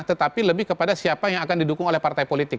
tetapi lebih kepada siapa yang akan didukung oleh partai politik